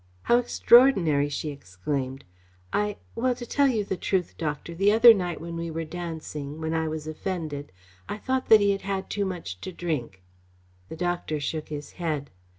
"How extraordinary!" she exclaimed. "I well, to tell you the truth, Doctor, the other night when we were dancing, when I was offended, I thought that he had had too much to drink." The doctor shook his head.